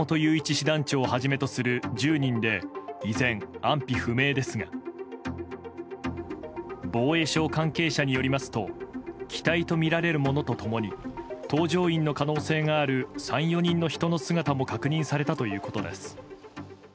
師団長をはじめとする１０人で依然、安否不明ですが防衛省関係者によりますと機体とみられるものと共に搭乗員の可能性がある３４人の人の姿も確認されたということです。